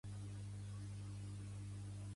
Pandolfo el va contractar com a metal·lúrgic.